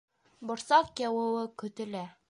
Борсаҡ яуыуы көтөлә